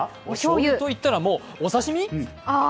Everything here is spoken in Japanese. おしょうゆといったらお刺身？